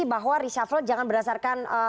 bahwa resapel jangan berdasarkan